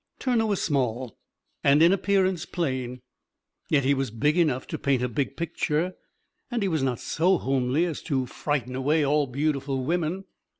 Turner was small, and in appearance plain. Yet he was big enough to paint a big picture, and he was not so homely as to frighten away all beautiful women.